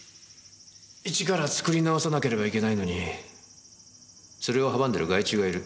一から作り直さなければいけないのにそれを阻んでる害虫がいる。